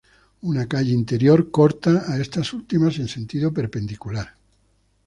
Una calle interior corta a estas últimas en sentido perpendicular.